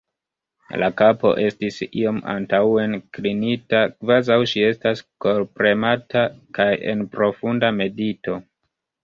La kapo estis iom antaŭen klinita, kvazaŭ ŝi estas korpremata kaj en profunda medito.